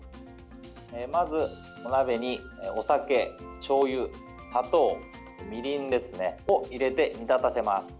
まず、お鍋にお酒、しょうゆ砂糖、みりんを入れて煮立たせます。